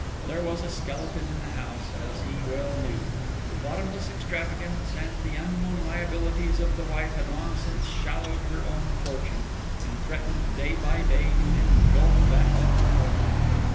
There was a skeleton in the house, as he well knew. The bottomless extravagance and the unknown liabilities of the wife had long since swallowed her own fortune, and threatened day by day to engulph that of the husband.